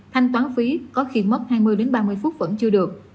thanh toán phí có khi mất hai mươi ba mươi phút vẫn chưa được